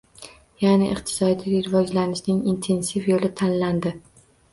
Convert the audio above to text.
Yaʼni iqtisodiy rivojlanishning intensiv yoʻli tanlandi.